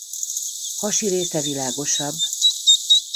Hasi része világosabb.